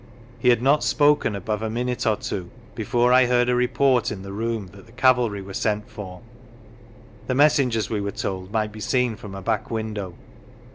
He had not spoken above a minute or two before I heard a report in the room that the cavalry were sent for; the messengers, we wene told, might be seen from a back window.